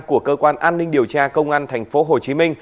của cơ quan an ninh điều tra công an tp hcm